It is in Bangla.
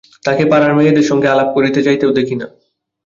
তাকে পাড়ার মেয়েদের সঙ্গে আলাপ করিতে যাইতেও দেখি না।